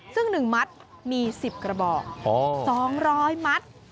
ซึ่ง๑มัดมี๑๐กระบอก๒๐๐มัตต์